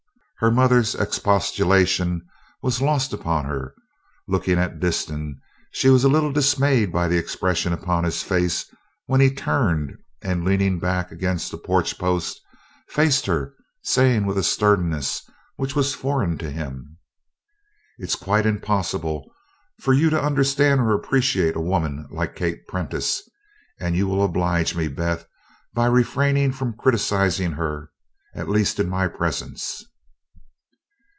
Her mother's expostulation was lost upon her for, looking at Disston, she was a little dismayed by the expression upon his face when he turned and, leaning his back against the porch post, faced her, saying with a sternness which was foreign to him: "It's quite impossible for you to understand or appreciate a woman like Kate Prentice, and you will oblige me, Beth, by refraining from criticising her, at least in my presence."